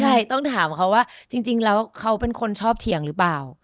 ใช่ต้องถามเขาว่าจริงแล้วเขาเป็นคนชอบเถียงหรือเปล่า